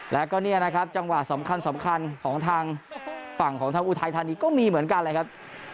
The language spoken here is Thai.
แล้วก็เนี่ยนะครับจังหวะสำคัญของทางฝั่งของทางอุทัยธานีก็มีเหมือนกันเลยครับ